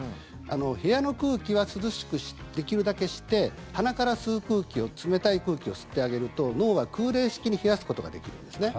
部屋の空気は涼しくできるだけして鼻から吸う空気を冷たい空気を吸ってあげると脳は空冷式に冷やすことができるんですね。